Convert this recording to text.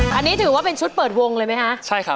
วันนี้ถือว่าเป็นชุดเปิดวงค่ะ